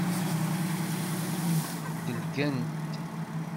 Delgen-t.